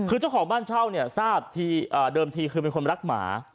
คือเจ้าของบ้านเช่าเนี่ยทราบเดิมทีคือเป็นคนรักหมา